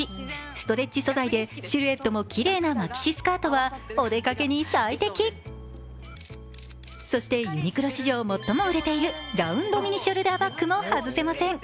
ストレッチ素材でシルエットもきれいなマキシスカートはお出かけに最適、そしてユニクロ史上最も売れているラウンドミニショルダーバッグも外せません。